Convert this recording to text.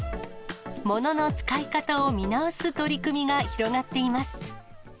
物の使い方を見直す取り組みが広がっています。